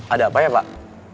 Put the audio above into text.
ada apa ya pak